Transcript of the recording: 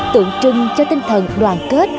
tượng trưng cho tinh thần đoàn kết